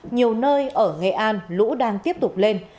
nhiều nơi ở nghệ an lũ đang tiếp tục lên